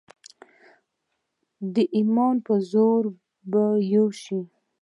د ایمان په زور به یو شو.